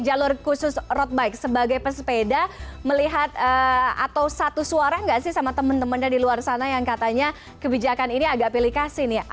jalur khusus road bike sebagai pesepeda melihat atau satu suara nggak sih sama temen temennya di luar sana yang katanya kebijakan ini agak pilih kasih nih